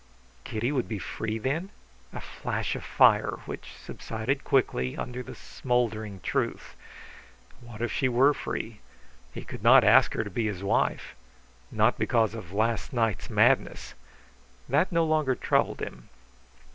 Kitty would be free, then? A flash of fire, which subsided quickly under the smothering truth. What if she were free? He could not ask her to be his wife. Not because of last night's madness. That no longer troubled him.